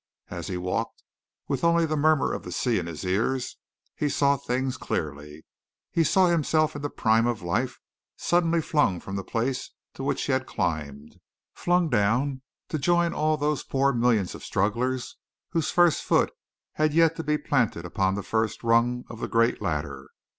As he walked, with only the murmur of the sea in his ears, he saw things clearly. He saw himself in the prime of life, suddenly flung from the place to which he had climbed, flung down to join all those poor millions of strugglers whose first foot has yet to be planted upon the first rung of the great ladder.